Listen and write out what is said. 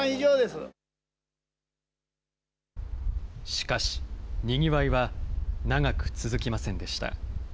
しかし、にぎわいは長く続きませんでした。